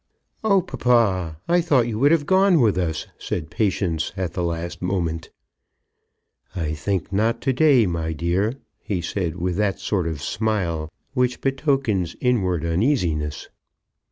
"Oh, papa; I thought you would have gone with us!" said Patience at the last moment. "I think not to day, my dear," he said, with that sort of smile which betokens inward uneasiness.